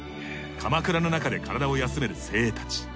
かまくらの中で体を休める精鋭たち。